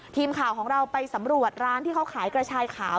ทีมข่าวของเราไปสำรวจร้านที่เขาขายกระชายขาว